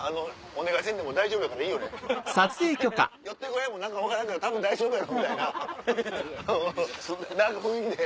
「よってこや」も何か分からんけどたぶん大丈夫やろうみたいな何か雰囲気で。